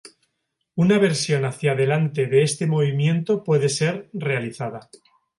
Una versión hacia delante de este movimiento puede ser realizada.